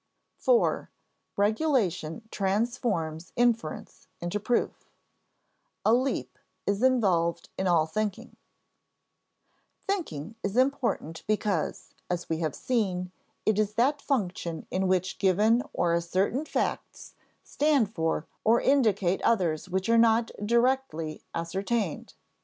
§ 4. Regulation Transforms Inference into Proof [Sidenote: A leap is involved in all thinking] Thinking is important because, as we have seen, it is that function in which given or ascertained facts stand for or indicate others which are not directly ascertained.